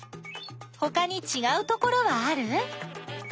ほかにちがうところはある？